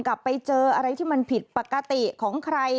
ไปเจออะไรที่มันผิดปกติของใคร